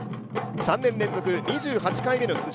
３年連続２８回目の出場。